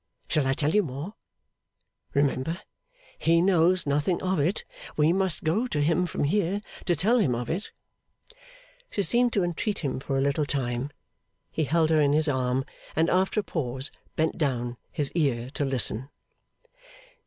Shall I tell you more? Remember! He knows nothing of it; we must go to him, from here, to tell him of it!' She seemed to entreat him for a little time. He held her in his arm, and, after a pause, bent down his ear to listen.